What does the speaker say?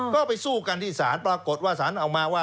ก็ไปสู้กันที่สารปรากฏว่า